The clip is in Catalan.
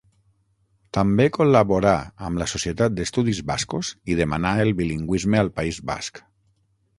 També col·laborà amb la Societat d'Estudis Bascos i demanà el bilingüisme al País Basc.